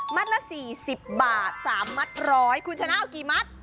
มัตต์ละสี่สิบบาทสามมัตต์ร้อยคุณชนะเอากี่มัตต์